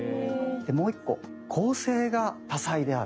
でもう一個構成が多彩である。